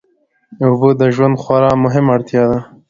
اوبه د ژوند خورا مهمه اړتیا ده.